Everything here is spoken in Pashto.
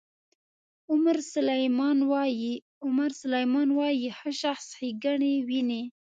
عمر سلیمان وایي ښه شخص ښېګڼې ویني.